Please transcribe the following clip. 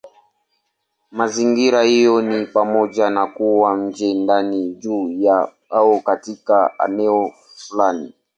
Mazingira hayo ni pamoja na kuwa nje, ndani, juu ya, au katika eneo fulani.